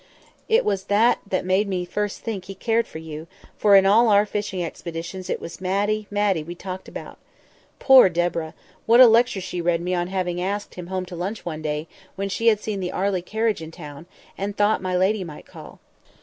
It was that that made me first think he cared for you; for in all our fishing expeditions it was Matty, Matty, we talked about. Poor Deborah! What a lecture she read me on having asked him home to lunch one day, when she had seen the Arley carriage in the town, and thought that my lady might call.